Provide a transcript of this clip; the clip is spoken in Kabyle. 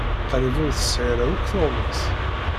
Qrib ur tesɛi ara akk tuɣmas.